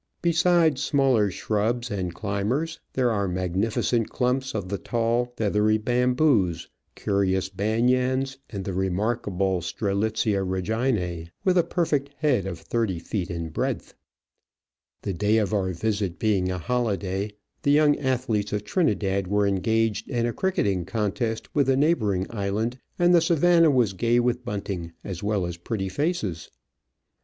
Besides smaller shrubs AN AVENUE OF PALMS, TRINIDAD. and climbers, there are magnificent clumps of the tall feathery bamboos, curious banyans, and the remarkable Strelitzia Rcgin^y with a perfect head of thirty feet Digitized by VjOOQIC OF AN Orchid Hunter. 21 in breadth. The day of our visit being a holiday, the young athletes of Trinidad were engaged in a cricketing contest with a neighbouring island and the Savanna was gay with bunting, as well as pretty faces.